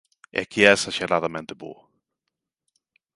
"É que é esaxeradamente bo.